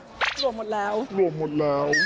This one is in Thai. หลวนหมดแล้ว